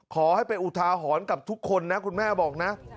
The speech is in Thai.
ขอให้เป็นอุทาหรณ์กับทุกคนนะคุณแม่บอกนะ